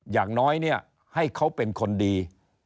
อย่างน้อยเนี่ยให้เขาเป็นคนดี